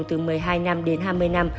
từ một mươi hai năm đến hai mươi năm